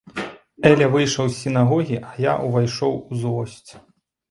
Эля выйшаў з сінагогі, а я ўвайшоў у злосць.